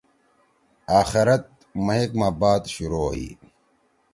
آخرت مئک ما بعد شروع ہوئی۔